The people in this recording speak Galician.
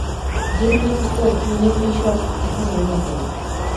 Así o manifestou Núñez Feixóo esta segunda feira.